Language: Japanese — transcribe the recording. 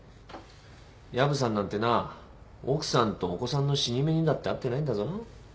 薮さんなんてな奥さんとお子さんの死に目にだって会ってないんだぞ。